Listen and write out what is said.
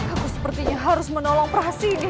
aku sepertinya harus menolong prahasis ini